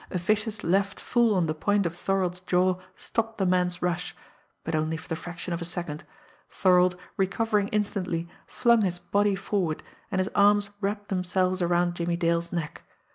A vicious left full on the point of Thorold's jaw stopped the man's rush but only for the fraction of a second. Thorold, recovering instantly, flung his body forward, and his arms wrapped themselves around Jimmie Dale's neck.